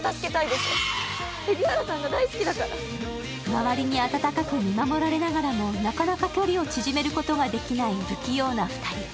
周りに温かく見守られながらも、なかなか距離を縮めることができない不器用な２人。